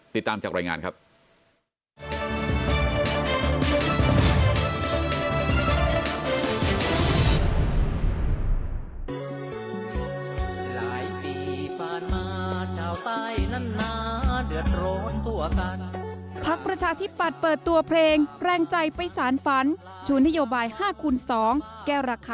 ติดตามจากรายงานครับ